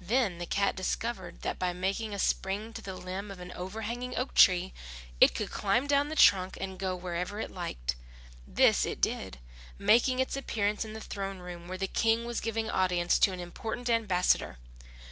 Then the cat discovered that by making a spring to the limb of an overhanging oak tree, it could climb down the trunk and go where it liked. This it did, making its appearance in the throne room, where the King was giving audience to an important ambassador.